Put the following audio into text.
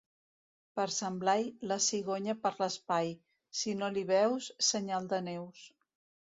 Per Sant Blai, la cigonya per l'espai; si no l'hi veus, senyal de neus.